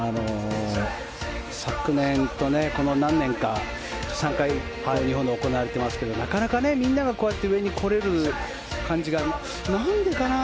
昨年とこの何年か３回、日本で行われていますがなかなかみんながこうやって上に来れる感じがなんでかな？